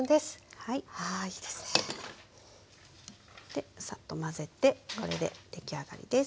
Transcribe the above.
でサッと混ぜてこれで出来上がりです。